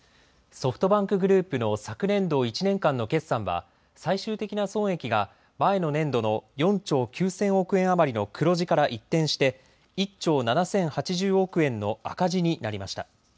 ソフトバンクグループの昨年度１年間の決算は最終的な損益が前の年度の４兆９０００億円余りの黒字から一転して１兆７０８０億円の赤字になりました。